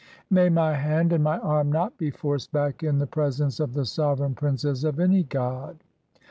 "May my hand and my arm not be forced back in the presence "of the sovereign princes of any god.